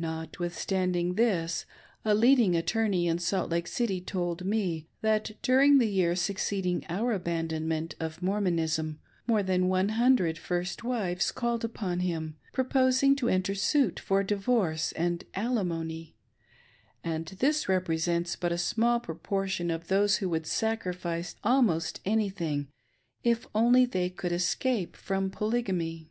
Nbtwithstanding this, a leading' attorney in Salt Lake City told me, that during the year succeeding our abandonment of Mormonism, more than one hundred first wives called upon him proposing to enter suit for divorce and alimony, and this represents but a small proportion of those who would sacrifice almost anything if only they could escape from Polygamy.